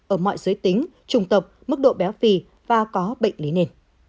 năm mươi ở mọi giới tính trung tập mức độ béo phì và có bệnh lý nền